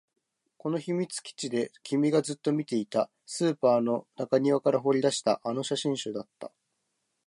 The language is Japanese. この秘密基地で君がずっと見ていた、スーパーの中庭から掘り出したあの写真集だった